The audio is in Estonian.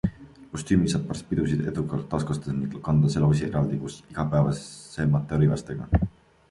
Kostüümi saab pärast pidusid edukalt taaskasutada ning kanda selle osi eraldi koos igapäevasemate rõivastega.